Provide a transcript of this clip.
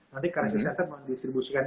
nanti kerasi center mendistribusikan